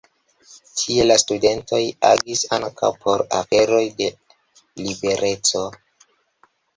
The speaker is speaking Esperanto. Tie la studentoj agis ankaŭ por aferoj de libereco.